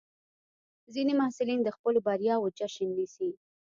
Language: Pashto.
ځینې محصلین د خپلو بریاوو جشن نیسي.